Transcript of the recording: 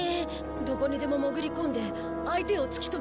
どこにでも潜り込んで相手を突き止めます。